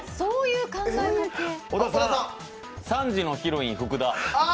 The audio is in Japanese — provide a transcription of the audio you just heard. ３時のヒロイン、福田。